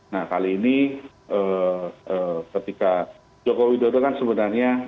nah kali ini ketika joko widodo kan sebenarnya